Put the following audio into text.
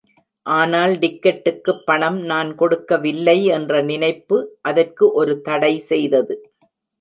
ஆனால் டிக்கெட்டுக்குப் பணம் நான் கொடுக்கவில்லை என்ற நினைப்பு அதற்கு ஒரு தடை செய்தது.